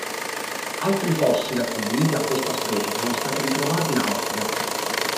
Altri fossili attribuiti a questa specie sono stati ritrovati in Austria.